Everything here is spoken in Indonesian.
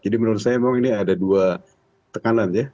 jadi menurut saya memang ini ada dua tekanan ya